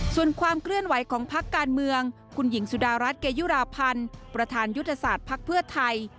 ส่วนความเคลื่อนไหวของพักการเมืองคุณหญิงสุดารัฐเกยุราพันธ์ประธานยุทธศาสตร์ภักดิ์เพื่อไทย